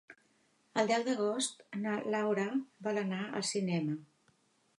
El deu d'agost na Laura vol anar al cinema.